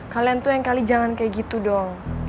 kalian tuh yang kali jangan kayak gitu dong